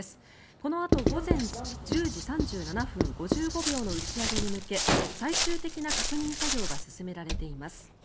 このあと午前１０時３７分５５秒の打ち上げに向け最終的な確認作業が進められています。